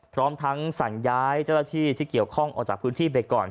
พร้อมทั้งสั่งย้ายเจ้าหน้าที่ที่เกี่ยวข้องออกจากพื้นที่ไปก่อน